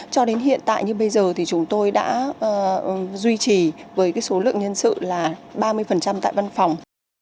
cho đến hiện tại như bây giờ thì chúng tôi đã duy trì với số lượng nhân sự là ba mươi tại văn phòng